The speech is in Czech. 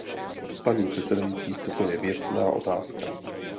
Paní předsedající, toto je věcná otázka.